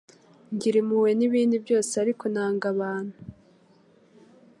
ngira impuhwe nibindi byose, ariko nanga abantu.